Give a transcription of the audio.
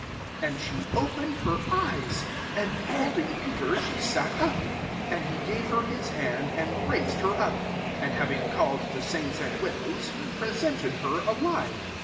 And she opened her eyes : and, be holding Peter, she sat up. 41 And he gave her his hand, and raised her up ; and, having cal led the saints and widows, he presented her alive.